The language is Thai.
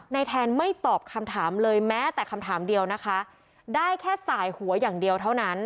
แทนไม่ตอบคำถามเลยแม้แต่คำถามเดียวนะคะได้แค่สายหัวอย่างเดียวเท่านั้น